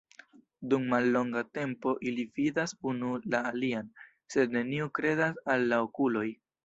Dum mallonga tempo ili vidas unu la alian, sed neniu kredas al la okuloj.